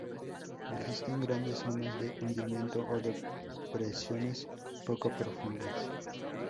Existen grandes zonas de hundimiento o depresiones poco profundas.